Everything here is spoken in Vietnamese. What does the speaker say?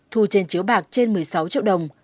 thu trên chiếu bạc trên một mươi sáu triệu đồng